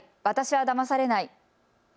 私はだまされない。